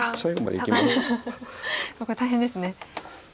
これ大変ですね。